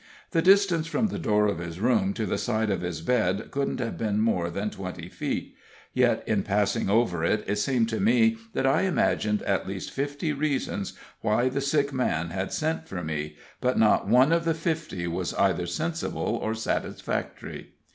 The distance from the door of his room to the side of his bed couldn't have been more than twenty feet, yet, in passing over it, it seemed to me that I imagined at least fifty reasons why the sick man had sent for me, but not one of the fifty was either sensible or satisfactory.